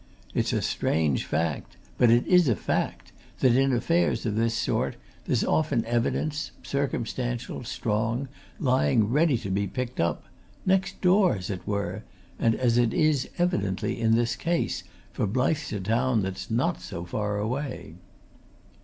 It's a strange fact, but it is a fact, that in affairs of this sort there's often evidence, circumstantial, strong, lying ready to be picked up. Next door, as it were and as it is evidently in this case, for Blyth's a town that's not so far away."